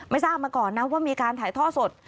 ทราบมาก่อนนะว่ามีการถ่ายท่อสด